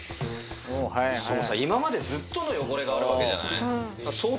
今までずっとの汚れがあるわけじゃない。